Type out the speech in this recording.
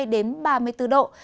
đến ba mươi bốn độ